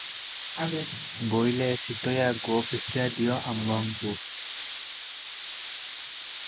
ବୋଇଲେ ସୀତୟା ଗୋ ଭିକ୍ଷା ଦିଅ ଆମ୍ଭଙ୍କୁ